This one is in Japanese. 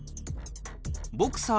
ボクサー。